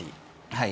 はい。